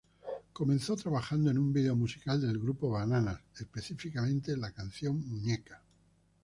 Comenzó trabajando en un video musical del Grupo Bananas, específicamente la canción "Muñeca".